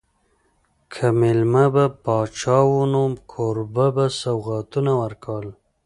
که مېلمه به پاچا و نو کوربه به سوغاتونه ورکول.